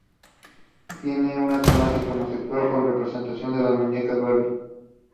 It has privacy doors.